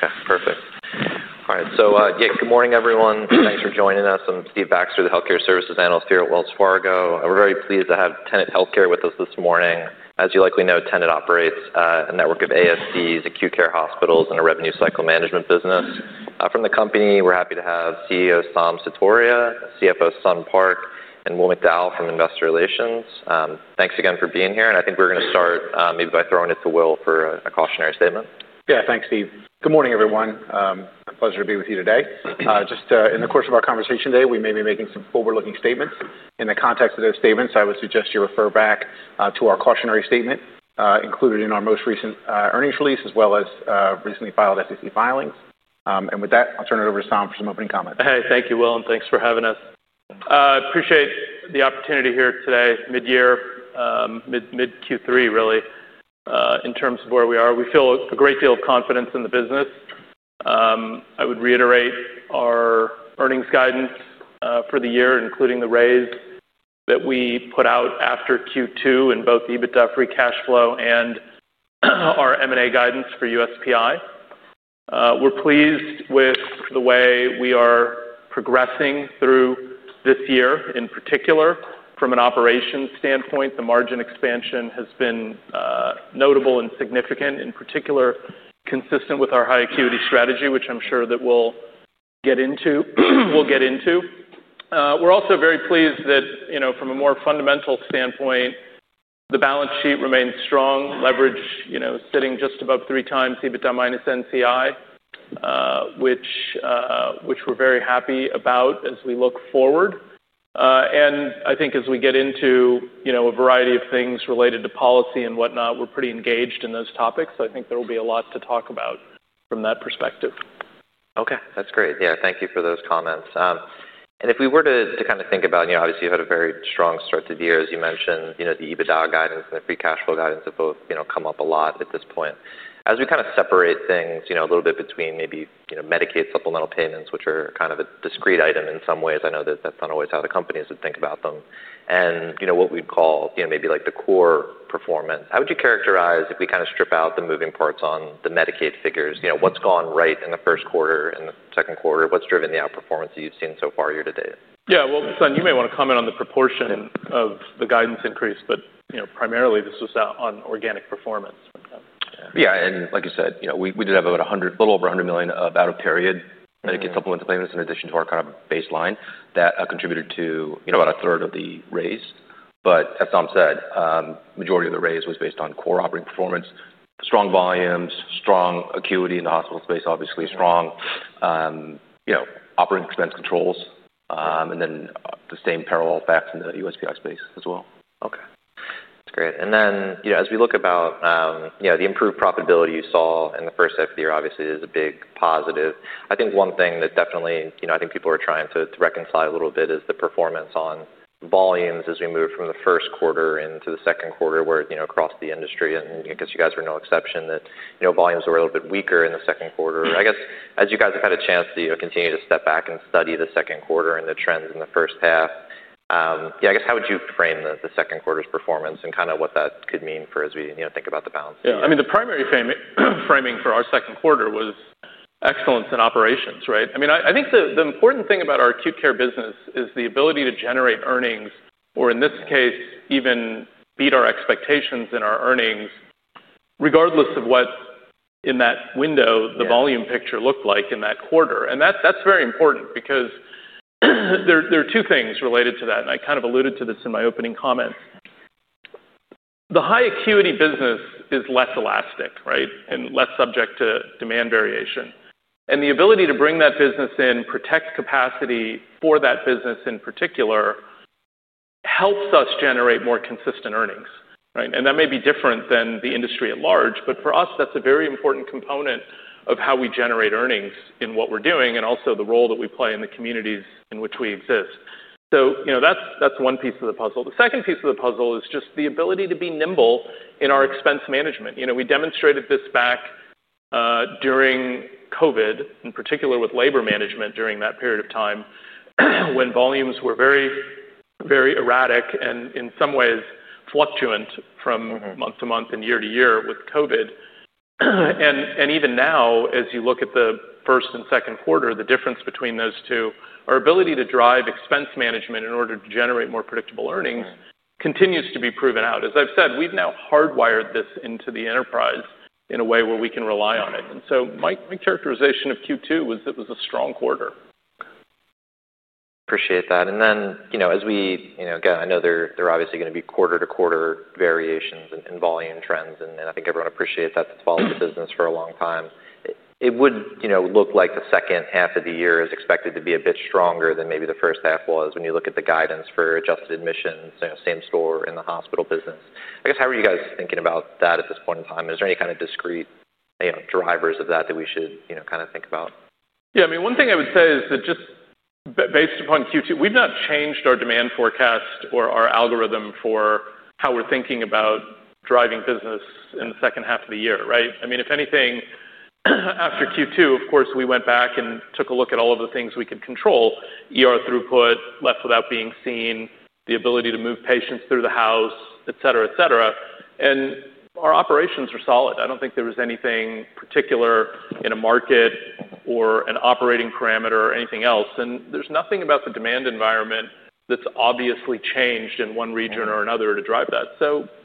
Okay, perfect. All right. Good morning, everyone. Thanks for joining us. I'm Steve Baxter, the Healthcare Services Analyst here at Wells Fargo. We're very pleased to have Tenet Healthcare with us this morning. As you likely know, Tenet operates a network of ASCs, acute care hospitals, and a revenue cycle management business. From the company, we're happy to have CEO Saum Sutaria, CFO Sun Park, and Will McDowell from Investor Relations. Thanks again for being here. I think we're going to start maybe by throwing it to Will for a cautionary statement. Yeah, thanks, Steve. Good morning, everyone. A pleasure to be with you today. Just in the course of our conversation today, we may be making some forward-looking statements. In the context of those statements, I would suggest you refer back to our cautionary statement included in our most recent earnings release, as well as recently filed FTC filings. With that, I'll turn it over to Saum for some opening comments. Hey, thank you, Will, and thanks for having us. I appreciate the opportunity here today, mid-year, mid-Q3, really, in terms of where we are. We feel a great deal of confidence in the business. I would reiterate our earnings guidance for the year, including the raise that we put out after Q2 in both the EBITDA, free cash flow, and our M&A guidance for USPI. We're pleased with the way we are progressing through this year. In particular, from an operations standpoint, the margin expansion has been notable and significant, in particular consistent with our high-acuity strategy, which I'm sure that we'll get into. We're also very pleased that, from a more fundamental standpoint, the balance sheet remains strong, leverage sitting just above three times EBITDA minus NCI, which we're very happy about as we look forward. I think as we get into a variety of things related to policy and whatnot, we're pretty engaged in those topics. I think there will be a lot to talk about from that perspective. Okay, that's great. Thank you for those comments. If we were to kind of think about, you know, obviously you had a very strong start to the year, as you mentioned, the EBITDA guidance and the free cash flow guidance have both, you know, come up a lot at this point. As we kind of separate things a little bit between maybe, you know, Medicaid supplemental payments, which are kind of a discrete item in some ways, I know that that's not always how the companies think about them. What we'd call maybe like the core performance, how would you characterize if we kind of strip out the moving parts on the Medicaid figures? What's gone right in the first quarter, in the second quarter? What's driven the outperformance that you've seen so far year to date? Yeah, Sun, you may want to comment on the proportion of the guidance increase, but, you know, primarily this was on organic performance. Yeah, like you said, we did have about $100 million, a little over $100 million, of out-of-period Medicaid supplemental payments in addition to our kind of baseline that contributed to about a third of the raise. That said, the majority of the raise was based on core operating performance, strong volumes, strong acuity in the hospital space, obviously strong operating expense controls, and then the same parallel back from the USPI space as well. Okay, that's great. As we look at the improved profitability you saw in the first half of the year, obviously it is a big positive. I think one thing that definitely, I think people are trying to reconcile a little bit, is the performance on volumes as we moved from the first quarter into the second quarter, where across the industry, and I guess you guys were no exception, volumes were a little bit weaker in the second quarter. As you guys have had a chance to continue to step back and study the second quarter and the trends in the first half, how would you frame the second quarter's performance and what that could mean as we think about the balance? Yeah, I mean, the primary framing for our second quarter was excellence in operations, right? I mean, I think the important thing about our acute care business is the ability to generate earnings, or in this case, even beat our expectations in our earnings, regardless of what in that window the volume picture looked like in that quarter. That's very important because there are two things related to that, and I kind of alluded to this in my opening comments. The high-acuity business is less elastic, right, and less subject to demand variation. The ability to bring that business in, protect capacity for that business in particular, helps us generate more consistent earnings. That may be different than the industry at large, but for us, that's a very important component of how we generate earnings in what we're doing and also the role that we play in the communities in which we exist. That's one piece of the puzzle. The second piece of the puzzle is just the ability to be nimble in our expense management. We demonstrated this back during COVID, in particular with labor management during that period of time when volumes were very, very erratic and in some ways fluctuant from month to month and year to year with COVID. Even now, as you look at the first and second quarter, the difference between those two, our ability to drive expense management in order to generate more predictable earnings continues to be proven out. As I've said, we've now hardwired this into the enterprise in a way where we can rely on it. My characterization of Q2 was it was a strong quarter. Appreciate that. As we, you know, again, I know there are obviously going to be quarter-to-quarter variations in volume trends, and I think everyone appreciates that that's followed the business for a long time. It would look like the second half of the year is expected to be a bit stronger than maybe the first half was when you look at the guidance for adjusted admissions, same store in the hospital business. I guess how are you guys thinking about that at this point in time? Is there any kind of discrete drivers of that that we should kind of think about? Yeah, I mean, one thing I would say is that just based upon Q2, we've not changed our demand forecast or our algorithm for how we're thinking about driving business in the second half of the year, right? I mean, if anything, after Q2, of course, we went back and took a look at all of the things we could control: throughput, left without being seen, the ability to move patients through the house, et cetera, et cetera. Our operations were solid. I don't think there was anything particular in a market or an operating parameter or anything else. There is nothing about the demand environment that's obviously changed in one region or another to drive that.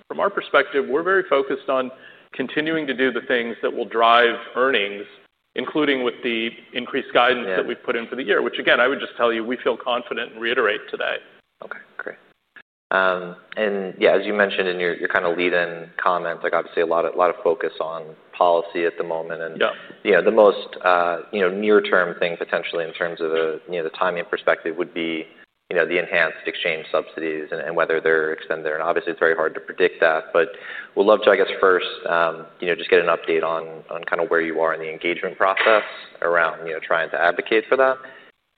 From our perspective, we're very focused on continuing to do the things that will drive earnings, including with the increased guidance that we've put in for the year, which again, I would just tell you, we feel confident and reiterate today. Okay, great. As you mentioned in your lead-in comments, obviously a lot of focus on policy at the moment. The most near-term thing potentially in terms of the timing perspective would be the enhanced exchange premium tax credits and whether they're extended. Obviously, it's very hard to predict that. We'd love to first just get an update on where you are in the engagement process around trying to advocate for that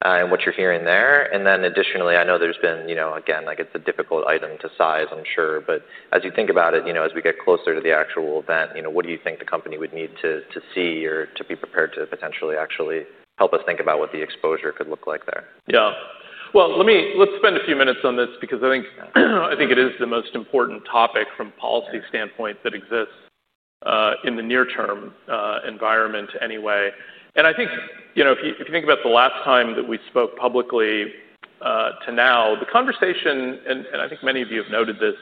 and what you're hearing there. Additionally, I know there's been, again, it's a difficult item to size, I'm sure. As you think about it, as we get closer to the actual event, what do you think the company would need to see or to be prepared to potentially actually help us think about what the exposure could look like there? Yeah, let's spend a few minutes on this because I think it is the most important topic from a policy standpoint that exists in the near-term environment anyway. I think, you know, if you think about the last time that we spoke publicly to now, the conversation, and I think many of you have noted this,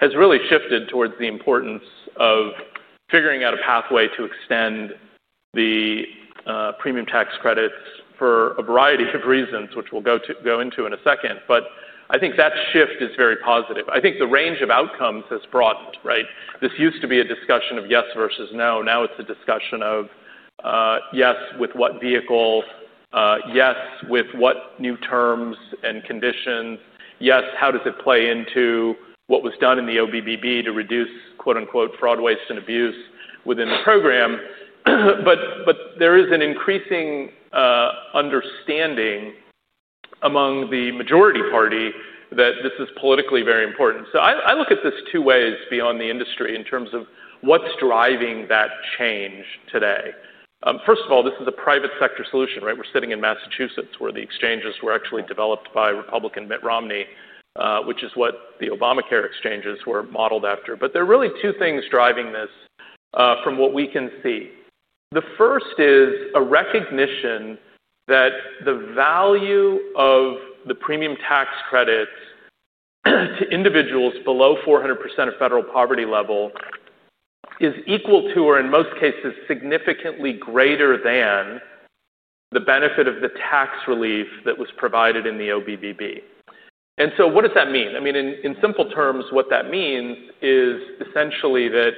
has really shifted towards the importance of figuring out a pathway to extend the premium tax credits for a variety of reasons, which we'll go into in a second. I think that shift is very positive. I think the range of outcomes has broadened, right? This used to be a discussion of yes versus no. Now it's a discussion of yes with what vehicle, yes with what new terms and conditions, yes, how does it play into what was done in the OBBB to reduce quote unquote fraud, waste, and abuse within the program. There is an increasing understanding among the majority party that this is politically very important. I look at this two ways beyond the industry in terms of what's driving that change today. First of all, this is a private sector solution, right? We're sitting in Massachusetts where the exchanges were actually developed by Republican Mitt Romney, which is what the Obamacare exchanges were modeled after. There are really two things driving this from what we can see. The first is a recognition that the value of the premium tax credits to individuals below 400% of federal poverty level is equal to, or in most cases, significantly greater than the benefit of the tax relief that was provided in the OBBB. What does that mean? In simple terms, what that means is essentially that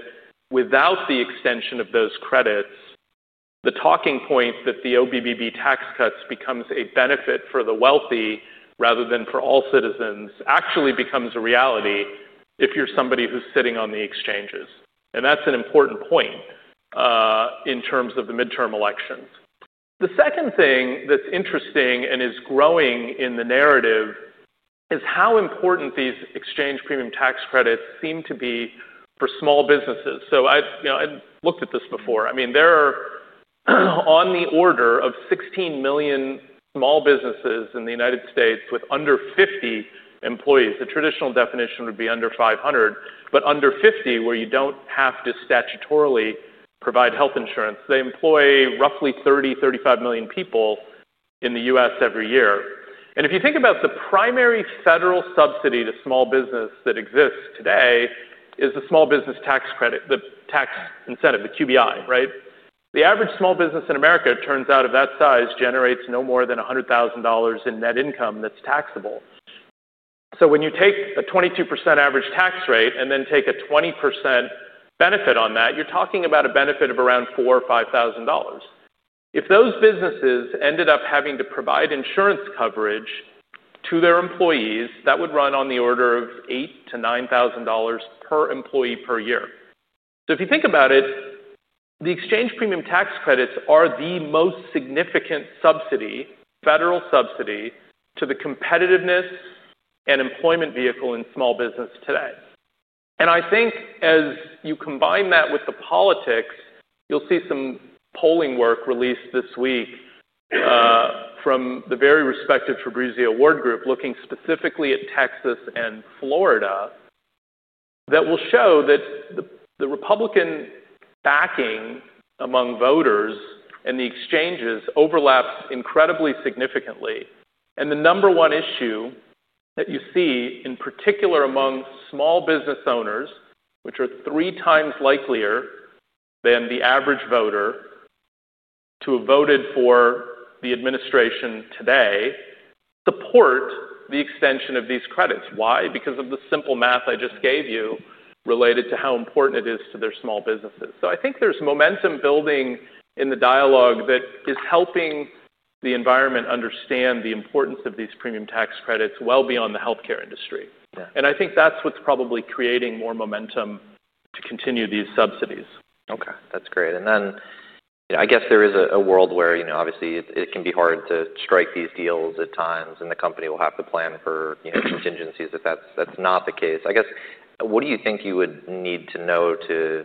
without the extension of those credits, the talking point that the OBBB tax cuts becomes a benefit for the wealthy rather than for all citizens actually becomes a reality if you're somebody who's sitting on the exchanges. That's an important point in terms of the midterm elections. The second thing that's interesting and is growing in the narrative is how important these exchange premium tax credits seem to be for small businesses. I looked at this before. There are on the order of 16 million small businesses in the United States with under 50 employees. The traditional definition would be under 500, but under 50 where you don't have to statutorily provide health insurance. They employ roughly 30, 35 million people in the U.S. every year. If you think about the primary federal subsidy to small business that exists today, it is the small business tax credit, the tax incentive, the QBI, right? The average small business in America turns out of that size generates no more than $100,000 in net income that's taxable. When you take a 22% average tax rate and then take a 20% benefit on that, you're talking about a benefit of around $4,000 or $5,000. If those businesses ended up having to provide insurance coverage to their employees, that would run on the order of $8,000- $9,000 per employee per year. If you think about it, the enhanced exchange premium tax credits are the most significant federal subsidy to the competitiveness and employment vehicle in small business today. I think as you combine that with the politics, you'll see some polling work released this week from the very respected Fabrisi Award Group looking specifically at Texas and Florida that will show that the Republican backing among voters and the exchanges overlaps incredibly significantly. The number one issue that you see in particular among small business owners, which are three times likelier than the average voter to have voted for the administration today, support the extension of these credits. Why? Because of the simple math I just gave you related to how important it is to their small businesses. I think there's momentum building in the dialogue that is helping the environment understand the importance of these premium tax credits well beyond the healthcare industry. I think that's what's probably creating more momentum to continue these subsidies. Okay, that's great. You know, I guess there is a world where it can be hard to strike these deals at times and the company will have to plan for contingencies if that's not the case. What do you think you would need to know to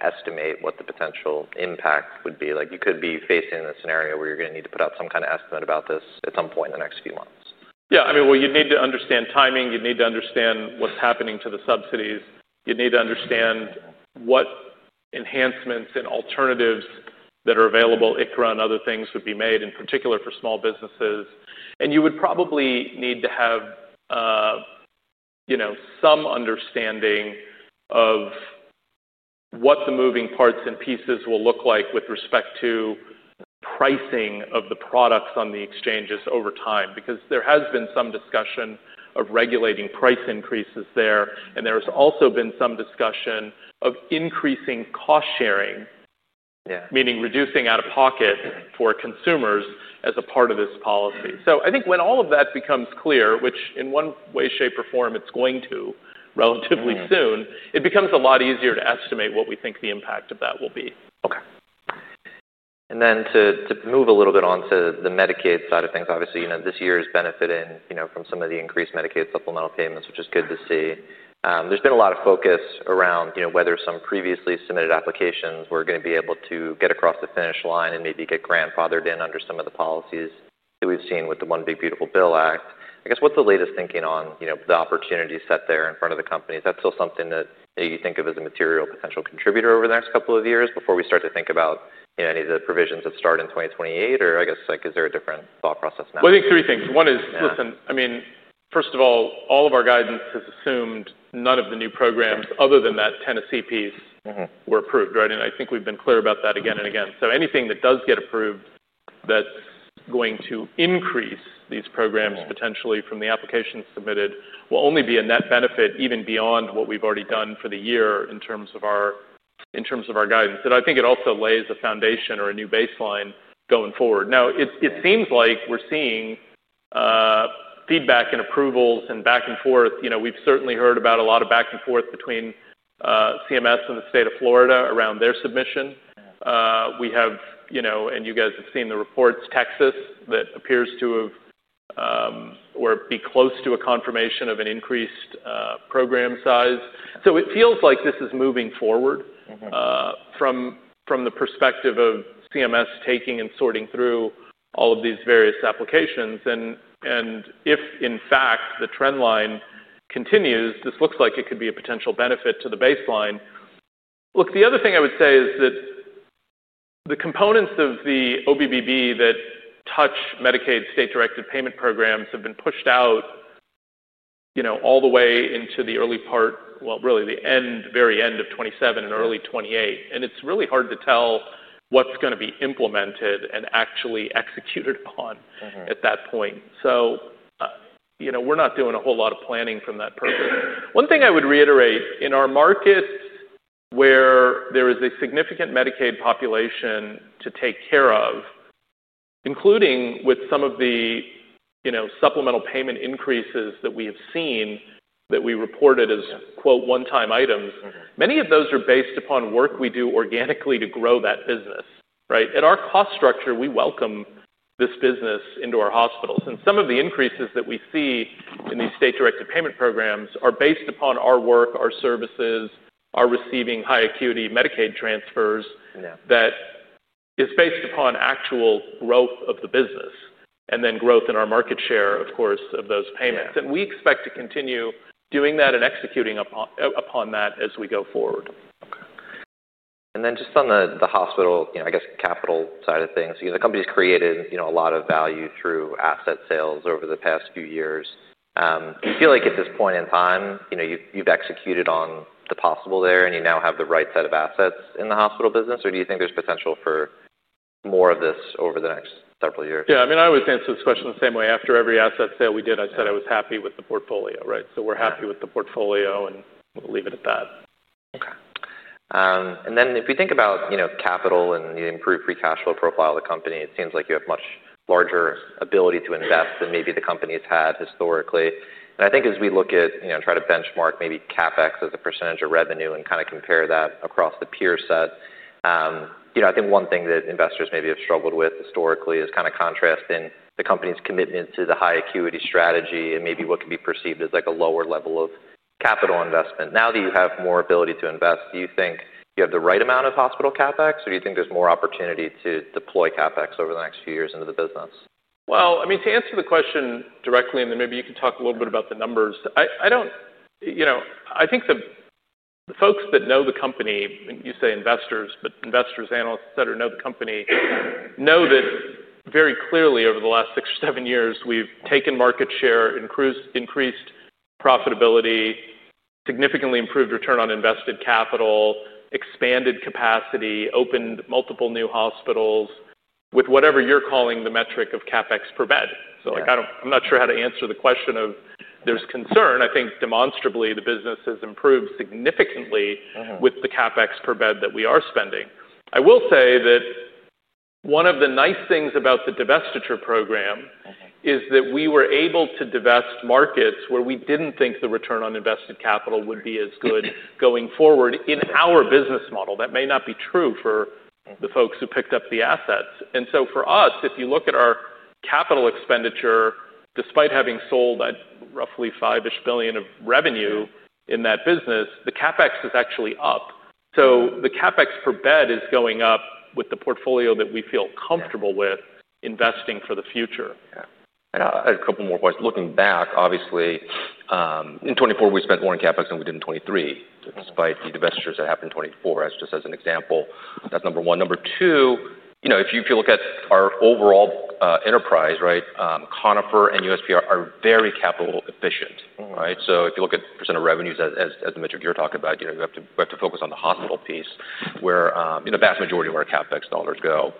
estimate what the potential impacts would be? You could be facing a scenario where you're going to need to put out some kind of estimate about this at some point in the next few months. Yeah, I mean, you'd need to understand timing. You'd need to understand what's happening to the subsidies. You'd need to understand what enhancements and alternatives that are available, ICRA and other things would be made in particular for small businesses. You would probably need to have some understanding of what the moving parts and pieces will look like with respect to the pricing of the products on the exchanges over time. There has been some discussion of regulating price increases there. There's also been some discussion of increasing cost sharing, meaning reducing out-of-pocket for consumers as a part of this policy. I think when all of that becomes clear, which in one way, shape, or form, it's going to relatively soon, it becomes a lot easier to estimate what we think the impact of that will be. Okay. To move a little bit onto the Medicaid side of things, obviously, you know, this year's benefit in, you know, from some of the increased Medicaid supplemental payments, which is good to see. There's been a lot of focus around, you know, whether some previously submitted applications were going to be able to get across the finish line and maybe get grandfathered in under some of the policies that we've seen with the One Big Beautiful Bill Act. I guess, what's the latest thinking on, you know, the opportunity set there in front of the companies? That's still something that you think of as a material potential contributor over the next couple of years before we start to think about, you know, any of the provisions that start in 2028? I guess, like, is there a different thought process now? I think three things. One is, listen, I mean, first of all, all of our guidance has assumed none of the new programs other than that Tennessee piece were approved, right? I think we've been clear about that again and again. Anything that does get approved that's going to increase these programs potentially from the applications submitted will only be a net benefit even beyond what we've already done for the year in terms of our guidance. I think it also lays the foundation or a new baseline going forward. It seems like we're seeing feedback and approvals and back and forth. We've certainly heard about a lot of back and forth between CMS and the state of Florida around their submission. We have, and you guys have seen the reports, Texas, that appears to have or be close to a confirmation of an increased program size. It feels like this is moving forward from the perspective of CMS taking and sorting through all of these various applications. If, in fact, the trend line continues, this looks like it could be a potential benefit to the baseline. The other thing I would say is that the components of the OBBB that touch Medicaid state-directed payment programs have been pushed out, all the way into the early part, really the very end of 2027 and early 2028. It's really hard to tell what's going to be implemented and actually executed upon at that point. We're not doing a whole lot of planning from that program. One thing I would reiterate, in our markets where there is a significant Medicaid population to take care of, including with some of the supplemental payment increases that we have seen that we reported as quote one-time items, many of those are based upon work we do organically to grow that business, right? At our cost structure, we welcome this business into our hospitals. Some of the increases that we see in these state-directed payment programs are based upon our work, our services, our receiving high-acuity Medicaid transfers that is based upon actual growth of the business and then growth in our market share, of course, of those payments. We expect to continue doing that and executing upon that as we go forward. Okay. Just on the hospital, I guess capital side of things, the company's created a lot of value through asset sales over the past few years. Do you feel like at this point in time you've executed on the possible there and you now have the right set of assets in the hospital business, or do you think there's potential for more of this over the next several years? Yeah, I mean, I would answer this question the same way. After every asset sale we did, I said I was happy with the portfolio, right? We're happy with the portfolio and we'll leave it at that. Okay. If we think about capital and the improved free cash flow profile of the company, it seems like you have much larger ability to invest than maybe the company has had historically. I think as we look at, you know, try to benchmark maybe CapEx as a percentage of revenue and kind of compare that across the peer set, I think one thing that investors maybe have struggled with historically is kind of contrasting the company's commitment to the high-acuity strategy and maybe what could be perceived as like a lower level of capital investment. Now that you have more ability to invest, do you think you have the right amount of hospital CapEx or do you think there's more opportunity to deploy CapEx over the next few years into the business? To answer the question directly, and then maybe you can talk a little bit about the numbers. I don't, you know, I think the folks that know the company, you say investors, but investors, analysts, et cetera, know the company, know that very clearly over the last six or seven years, we've taken market share, increased profitability, significantly improved return on invested capital, expanded capacity, opened multiple new hospitals with whatever you're calling the metric of CapEx per bed. I'm not sure how to answer the question of there's concern. I think demonstrably the business has improved significantly with the CapEx per bed that we are spending. I will say that one of the nice things about the divestiture program is that we were able to divest markets where we didn't think the return on invested capital would be as good going forward in our business model. That may not be true for the folks who picked up the assets. For us, if you look at our capital expenditure, despite having sold that roughly $5 billion of revenue in that business, the CapEx is actually up. The CapEx per bed is going up with the portfolio that we feel comfortable with investing for the future. Yeah, I had a couple more points. Looking back, obviously, in 2024, we spent more in CapEx than we did in 2023, despite the divestitures that happened in 2024, just as an example. That's number one. Number two, if you look at our overall enterprise, right, Conifer Health Solutions and USPI are very capital efficient, right? If you look at percentage of revenues as the metric you're talking about, we have to focus on the hospital piece where the vast majority of our CapEx dollars go.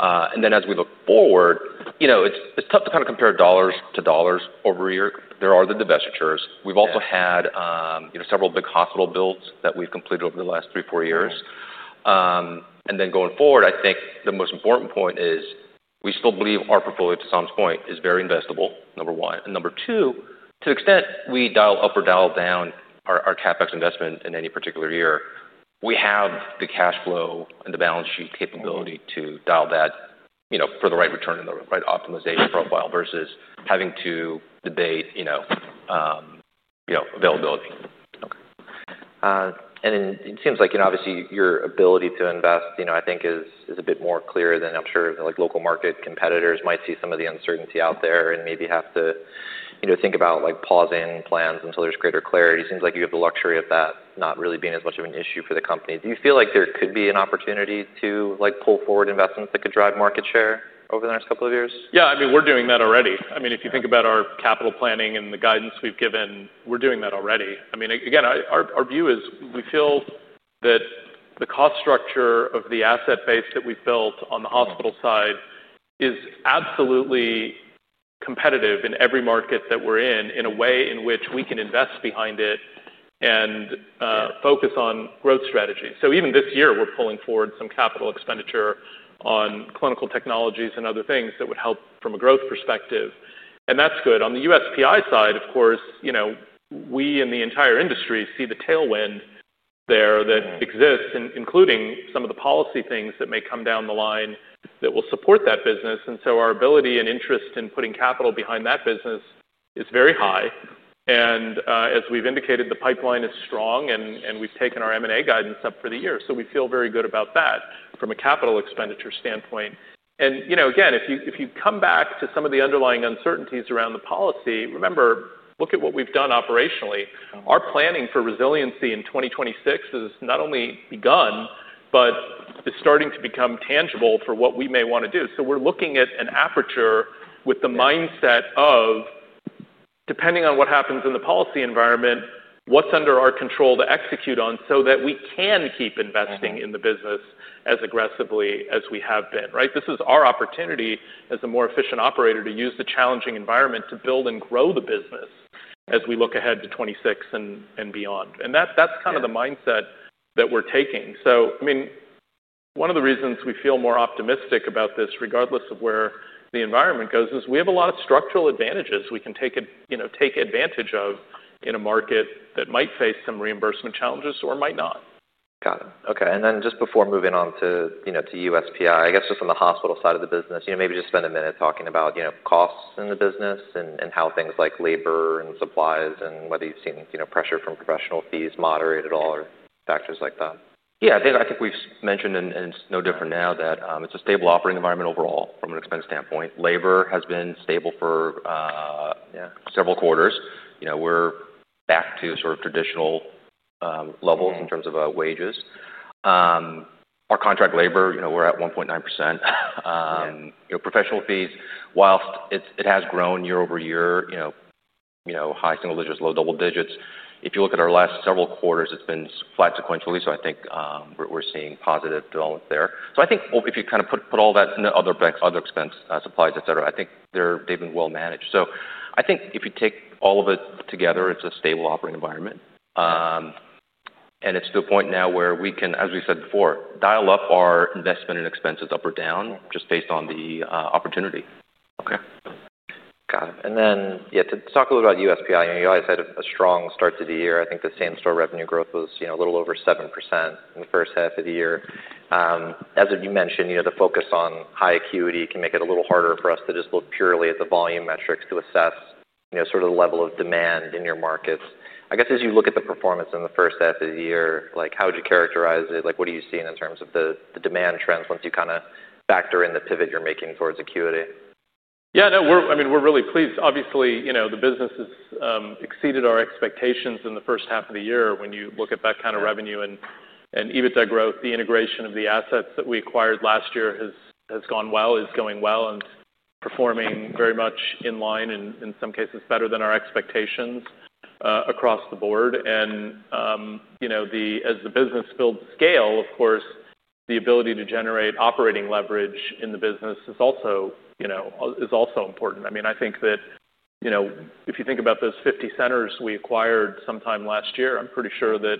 As we look forward, it's tough to kind of compare dollars to dollars over a year. There are the divestitures. We've also had several big hospital builds that we've completed over the last three, four years. Going forward, I think the most important point is we still believe our portfolio, to some point, is very investable, number one. Number two, to the extent we dial up or dial down our CapEx investment in any particular year, we have the cash flow and the balance sheet capability to dial that for the right return and the right optimization profile versus having to debate availability. Okay. It seems like your ability to invest, I think, is a bit more clear than I'm sure the local market competitors might see. Some of the uncertainty out there and maybe have to think about pausing plans until there's greater clarity. It seems like you have the luxury of that not really being as much of an issue for the company. Do you feel like there could be an opportunity to pull forward investments that could drive market share over the next couple of years? Yeah, I mean, we're doing that already. If you think about our capital planning and the guidance we've given, we're doing that already. Again, our view is we feel that the cost structure of the asset base that we've built on the hospital side is absolutely competitive in every market that we're in, in a way in which we can invest behind it and focus on growth strategies. Even this year, we're pulling forward some capital expenditure on clinical technologies and other things that would help from a growth perspective, and that's good. On the USPI side, of course, we and the entire industry see the tailwind there that exists, including some of the policy things that may come down the line that will support that business. Our ability and interest in putting capital behind that business is very high. As we've indicated, the pipeline is strong and we've taken our M&A guidance up for the year. We feel very good about that from a capital expenditure standpoint. If you come back to some of the underlying uncertainties around the policy, remember, look at what we've done operationally. Our planning for resiliency in 2026 has not only begun, but is starting to become tangible for what we may want to do. We're looking at an aperture with the mindset of, depending on what happens in the policy environment, what's under our control to execute on so that we can keep investing in the business as aggressively as we have been, right? This is our opportunity as a more efficient operator to use the challenging environment to build and grow the business as we look ahead to 2026 and beyond. That's kind of the mindset that we're taking. One of the reasons we feel more optimistic about this, regardless of where the environment goes, is we have a lot of structural advantages we can take advantage of in a market that might face some reimbursement challenges or might not. Got it. Okay. Before moving on to USPI, from the hospital side of the business, maybe just spend a minute talking about costs in the business and how things like labor and supplies and whether you've seen pressure from professional fees moderate at all or factors like that. Yeah, I think we've mentioned, and it's no different now, that it's a stable operating environment overall from an expense standpoint. Labor has been stable for several quarters. We're back to sort of traditional levels in terms of wages. Our contract labor, we're at 1.9%. Professional fees, whilst it has grown year over year, high single digits, low double digits. If you look at our last several quarters, it's been flat sequentially. I think we're seeing positive development there. If you kind of put all that in the other expense, supplies, et cetera, I think they're well managed. If you take all of it together, it's a stable operating environment. It's to the point now where we can, as we said before, dial up our investment and expenses up or down just based on the opportunity. Okay. Got it. To talk a little bit about USPI, you guys had a strong start to the year. I think the same store revenue growth was a little over 7% in the first half of the year. As you mentioned, the focus on high acuity can make it a little harder for us to just look purely at the volume metrics to assess the level of demand in your markets. I guess as you look at the performance in the first half of the year, how would you characterize it? What are you seeing in terms of the demand trends once you kind of factor in the pivot you're making towards acuity? Yeah, no, I mean, we're really pleased. Obviously, you know, the business has exceeded our expectations in the first half of the year when you look at that kind of revenue and EBITDA growth. The integration of the assets that we acquired last year has gone well, is going well, and performing very much in line, and in some cases better than our expectations across the board. As the business builds scale, of course, the ability to generate operating leverage in the business is also important. I mean, I think that, you know, if you think about those 50 centers we acquired sometime last year, I'm pretty sure that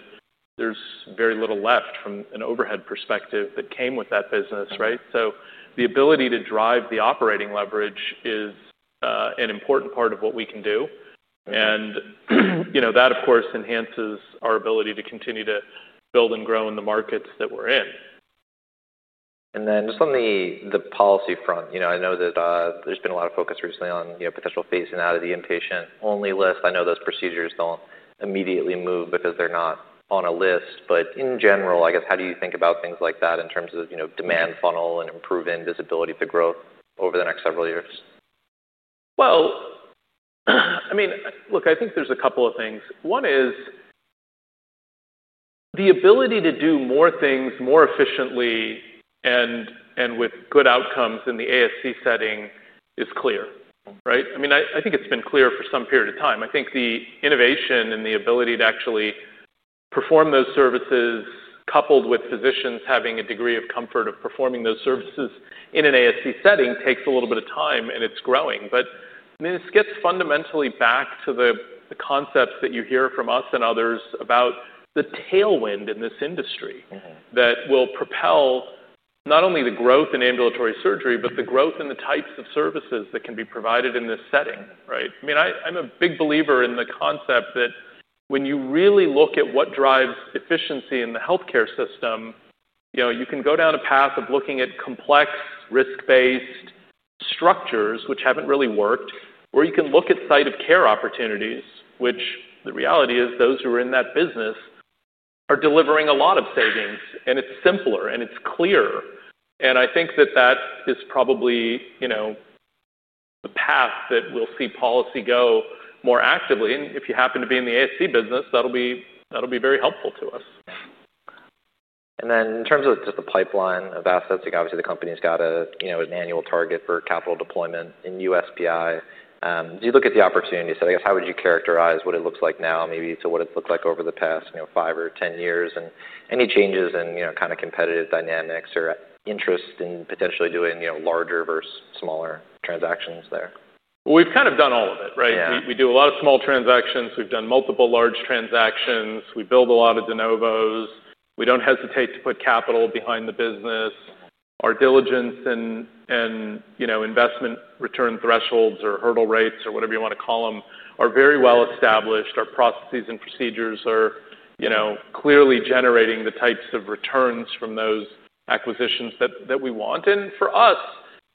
there's very little left from an overhead perspective that came with that business, right? The ability to drive the operating leverage is an important part of what we can do. That, of course, enhances our ability to continue to build and grow in the markets that we're in. On the policy front, I know that there's been a lot of focus recently on potential phasing out of the inpatient only list. I know those procedures don't immediately move because they're not on a list, but in general, how do you think about things like that in terms of demand funnel and improving visibility to growth over the next several years? I think there's a couple of things. One is the ability to do more things more efficiently and with good outcomes in the ASC setting is clear, right? I think it's been clear for some period of time. I think the innovation and the ability to actually perform those services coupled with physicians having a degree of comfort of performing those services in an ASC setting takes a little bit of time and it's growing. This gets fundamentally back to the concepts that you hear from us and others about the tailwind in this industry that will propel not only the growth in ambulatory surgery, but the growth in the types of services that can be provided in this setting, right? I am a big believer in the concept that when you really look at what drives efficiency in the healthcare system, you can go down a path of looking at complex risk-based structures, which haven't really worked, or you can look at site of care opportunities, which the reality is those who are in that business are delivering a lot of savings, and it's simpler and it's clearer. I think that that is probably, you know, the path that we'll see policy go more actively. If you happen to be in the ASC business, that'll be very helpful to us. In terms of just the pipeline of assets, obviously the company's got an annual target for capital deployment in USPI. As you look at the opportunities, how would you characterize what it looks like now, maybe to what it looked like over the past five or ten years, and any changes in kind of competitive dynamics or interest in potentially doing larger versus smaller transactions there? We've kind of done all of it, right? We do a lot of small transactions. We've done multiple large transactions. We build a lot of de novos. We don't hesitate to put capital behind the business. Our diligence and investment return thresholds or hurdle rates or whatever you want to call them are very well established. Our processes and procedures are clearly generating the types of returns from those acquisitions that we want. For us,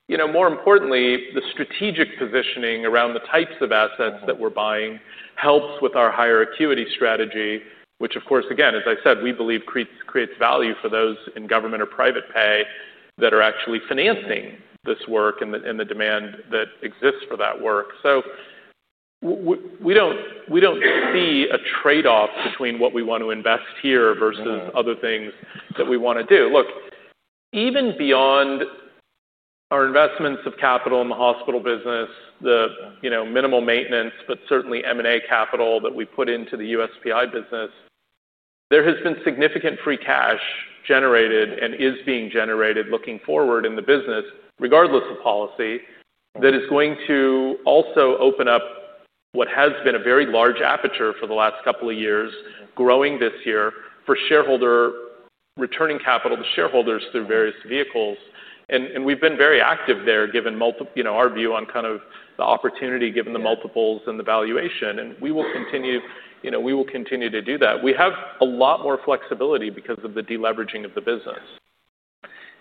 more importantly, the strategic positioning around the types of assets that we're buying helps with our higher acuity strategy, which, of course, again, as I said, we believe creates value for those in government or private pay that are actually financing this work and the demand that exists for that work. We don't see a trade-off between what we want to invest here versus other things that we want to do. Even beyond our investments of capital in the hospital business, the minimal maintenance, but certainly M&A capital that we put into the USPI business, there has been significant free cash generated and is being generated looking forward in the business, regardless of policy, that is going to also open up what has been a very large aperture for the last couple of years, growing this year for returning capital to shareholders through various vehicles. We've been very active there given our view on kind of the opportunity, given the multiples and the valuation. We will continue to do that. We have a lot more flexibility because of the deleveraging of the business.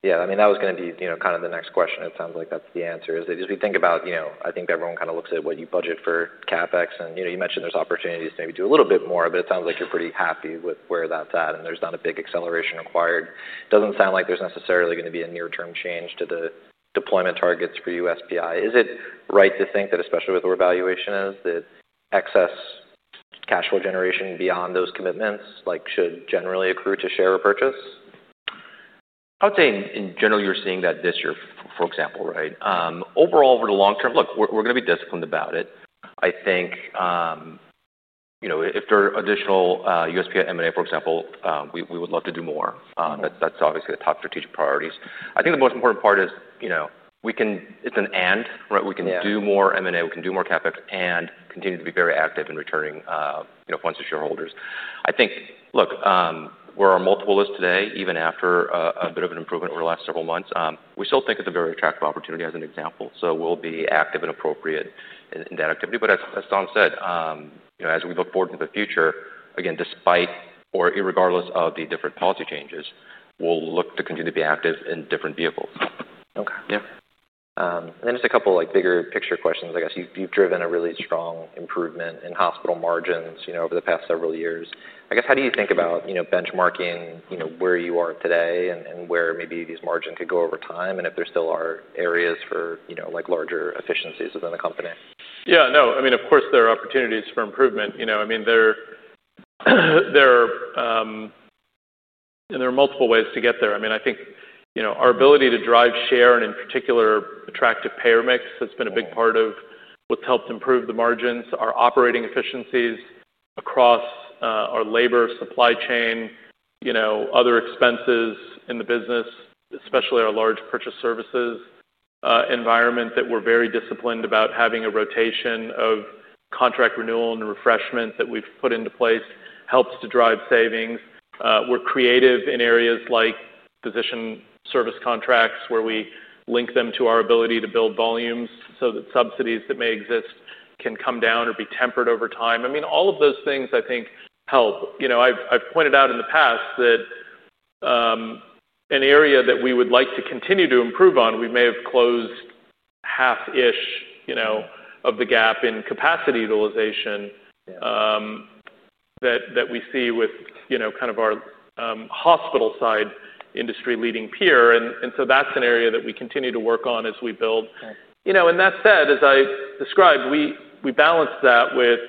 Yeah, I mean, that was going to be kind of the next question. It sounds like that's the answer. As we think about, I think everyone kind of looks at what you budget for CapEx and you mentioned there's opportunities to maybe do a little bit more, but it sounds like you're pretty happy with where that's at and there's not a big acceleration required. It doesn't sound like there's necessarily going to be a near-term change to the deployment targets for USPI. Is it right to think that especially with where valuation is, that excess cash flow generation beyond those commitments should generally accrue to share or purchase? I would say in general, you're seeing that this year, for example, right? Overall, over the long term, we're going to be disciplined about it. If there are additional USPI M&A, for example, we would love to do more. That's obviously the top strategic priorities. The most important part is, we can, it's an and, right? We can do more M&A, we can do more CapEx and continue to be very active in returning funds to shareholders. Where our multiple is today, even after a bit of an improvement over the last several months, we still think it's a very attractive opportunity as an example. We'll be active and appropriate in that activity. As Tom said, as we look forward to the future, again, regardless of the different policy changes, we'll look to continue to be active in different vehicles. Okay. Yeah. Just a couple like bigger picture questions. I guess you've driven a really strong improvement in hospital margins over the past several years. I guess how do you think about benchmarking where you are today and where maybe these margins could go over time, and if there still are areas for larger efficiencies within the company? Yeah, no, I mean, of course there are opportunities for improvement. There are, and there are multiple ways to get there. I think our ability to drive share and in particular attractive payer mix, that's been a big part of what's helped improve the margins, our operating efficiencies across our labor supply chain, other expenses in the business, especially our large purchase services environment that we're very disciplined about having a rotation of contract renewal and refreshment that we've put into place helps to drive savings. We're creative in areas like physician service contracts where we link them to our ability to build volumes so that subsidies that may exist can come down or be tempered over time. All of those things I think help. I've pointed out in the past that an area that we would like to continue to improve on, we may have closed half-ish of the gap in capacity utilization that we see with our hospital side industry leading peer. That's an area that we continue to work on as we build. That said, as I described, we balance that with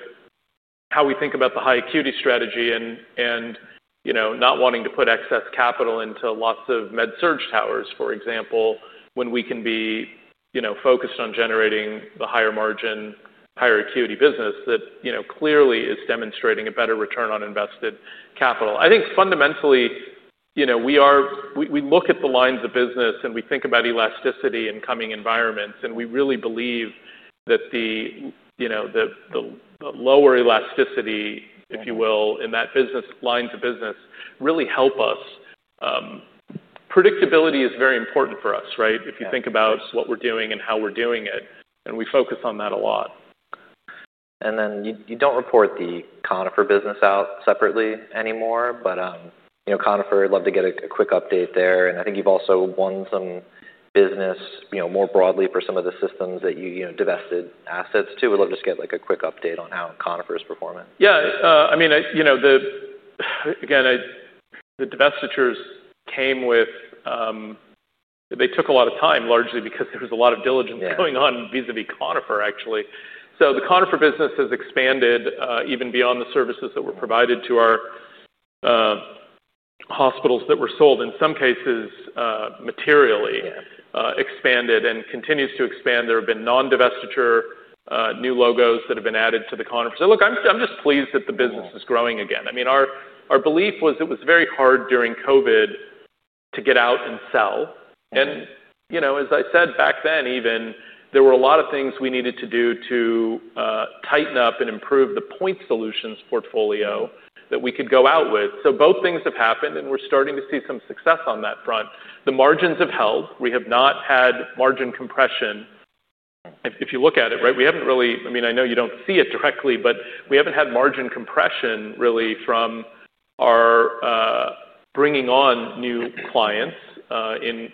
how we think about the high-acuity strategy and not wanting to put excess capital into lots of med surge towers, for example, when we can be focused on generating the higher margin, higher acuity business that clearly is demonstrating a better return on invested capital. I think fundamentally, we look at the lines of business and we think about elasticity in coming environments. We really believe that the lower elasticity, if you will, in that business lines of business really help us. Predictability is very important for us, right? If you think about what we're doing and how we're doing it, and we focus on that a lot. You don't report the Conifer Health Solutions business out separately anymore, but Conifer would love to get a quick update there. I think you've also won some business more broadly for some of the systems that you divested assets to. We'd love to just get a quick update on how Conifer Health Solutions is performing. Yeah, I mean, the divestitures came with, they took a lot of time largely because there was a lot of diligence going on vis-à-vis Conifer Health Solutions actually. The Conifer Health Solutions business has expanded even beyond the services that were provided to our hospitals that were sold, in some cases, materially expanded and continues to expand. There have been non-divestiture new logos that have been added to Conifer Health Solutions. Look, I'm just pleased that the business is growing again. I mean, our belief was it was very hard during COVID to get out and sell. As I said back then, even there were a lot of things we needed to do to tighten up and improve the point solutions portfolio that we could go out with. Both things have happened and we're starting to see some success on that front. The margins have held. We have not had margin compression. If you look at it, right, we haven't really, I mean, I know you don't see it directly, but we haven't had margin compression really from our bringing on new clients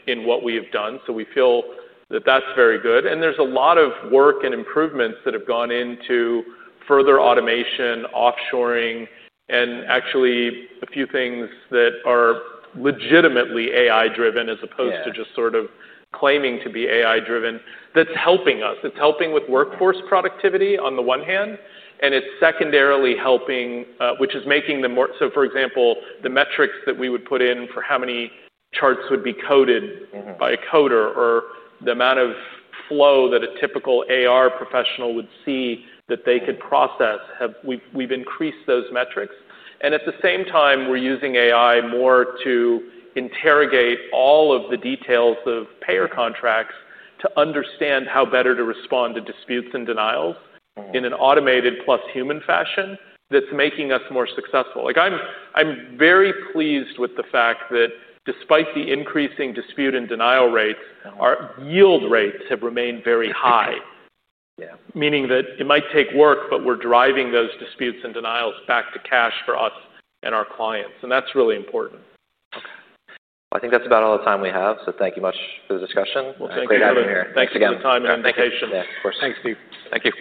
in what we have done. We feel that that's very good. There's a lot of work and improvements that have gone into further automation, offshoring, and actually a few things that are legitimately AI-driven as opposed to just sort of claiming to be AI-driven. That's helping us. It's helping with workforce productivity on the one hand, and it's secondarily helping, which is making the more, so for example, the metrics that we would put in for how many charts would be coded by a coder or the amount of flow that a typical AR professional would see that they could process, we've increased those metrics. At the same time, we're using AI more to interrogate all of the details of payer contracts to understand how better to respond to disputes and denials in an automated plus human fashion that's making us more successful. I'm very pleased with the fact that despite the increasing dispute and denial rates, our yield rates have remained very high. Yeah, meaning that it might take work, but we're driving those disputes and denials back to cash for us and our clients. That's really important. Okay. I think that's about all the time we have, so thank you much for the discussion. Thank you. Thanks for the time and invitation. Thanks, Steve. Thank you.